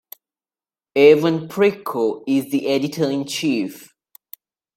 Evan Pricco is the editor-in-chief.